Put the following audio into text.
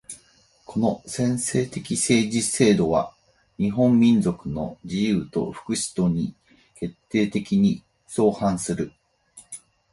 この専制的政治制度は日本民族の自由と福祉とに決定的に相反する。